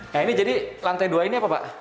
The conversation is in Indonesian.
nah ini jadi lantai dua ini apa pak